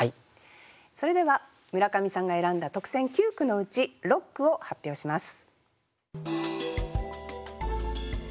それでは村上さんが選んだ特選九句のうち六句を発表します。